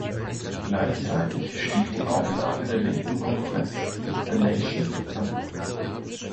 Gleichzeitig stieg die Auflage der linken Konkurrenz „The Nation“ an.